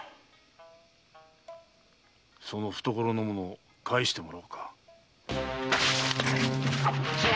その懐の物を返してもらおうか。